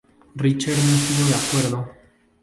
Richer no estuvo de acuerdo.